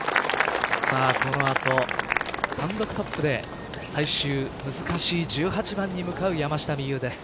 この後単独トップで最終、難しい１８番に向かう山下美夢有です。